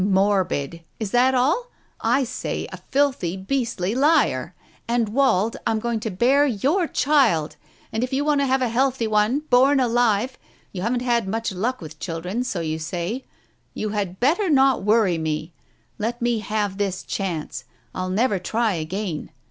Morbid — is that all ? I say a filthy, beastly liar !... And, Wald, Pm going to bear your child, and if you want to have a healthy one, born alive — you haven't had much luck with children, so you say — you had better not worry me. ... Let me have this chance. I'll never try again.